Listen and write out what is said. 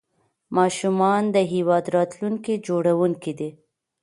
ماشومان د هیواد راتلونکي جوړونکي دي.